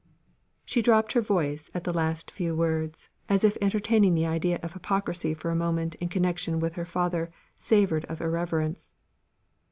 She dropped her voice at the last few words, as if entertaining the idea of hypocrisy for a moment in connection with her father savoured of irreverence.